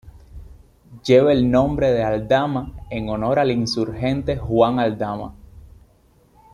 Lleva el nombre de Aldama en honor al insurgente Juan Aldama.